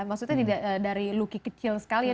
maksudnya tidak dari lucky kecil sekali ya